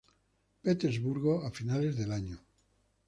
Petersburgo a finales del año.